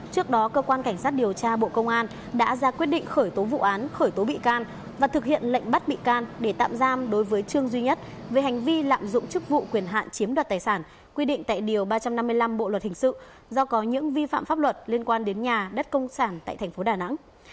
trước đó cơ quan cảnh sát điều tra bộ công an đã ra quyết định khởi tố vụ án khởi tố bị can và thực hiện lệnh bắt bị can để tạm giam đối với trương duy nhất về hành vi lạm dụng chức vụ quyền hạn chiếm đoạt tài sản quy định tại điều ba trăm năm mươi năm bộ luật hình sự do có những vi phạm pháp luật liên quan đến nhà đất công sản tại tp đà nẵng